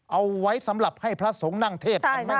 เอาไว้สำหรับให้พระสงฆ์นั่งเทศ